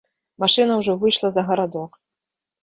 Машына ўжо выйшла за гарадок.